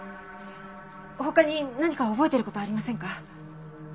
他に何か覚えてる事ありませんか？